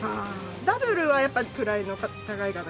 ダブルはやっぱ位の高い方が。